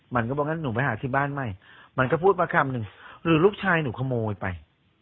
มันก็บอกงั้นหนูไปหาที่บ้านใหม่มันก็พูดมาคำหนึ่งหรือลูกชายหนูขโมยไป